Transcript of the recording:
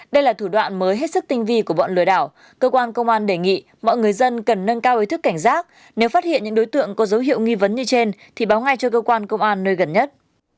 đây là thủ đoạn mới hết sức tinh vi của bọn lừa đảo cơ quan công an đề nghị mọi người dân cần nâng cao ý thức cảnh giác nếu phát hiện những đối tượng có dấu hiệu nghi vấn như trên thì báo ngay cho cơ quan công an nơi gần nhất